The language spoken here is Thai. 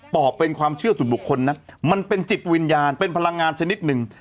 อบเป็นความเชื่อส่วนบุคคลนะมันเป็นจิตวิญญาณเป็นพลังงานชนิดหนึ่ง